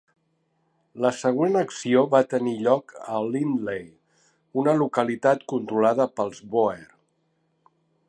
La següent acció va tenir lloc a Lindley, una localitat controlada pels Boer.